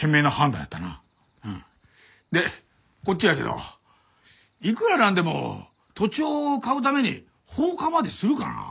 でこっちやけどいくらなんでも土地を買うために放火までするかな？